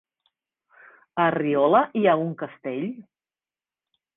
A Riola hi ha un castell?